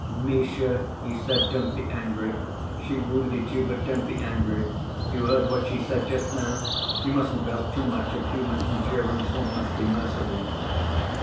"Misha," he said, "don't be angry. She wounded you, but don't be angry. You heard what she said just now? You mustn't ask too much of human endurance, one must be merciful."